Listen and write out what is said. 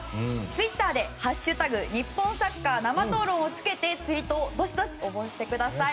ツイッターで「＃日本サッカー生討論」をつけてツイートをどしどし応募してください。